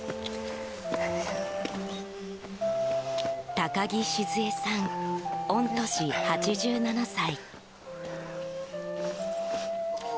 高城静恵さん、御年８７歳。